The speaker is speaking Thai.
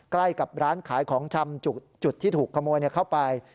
ใกล้กับร้านขายของชำจุดที่ถูกขโมยเข้าไป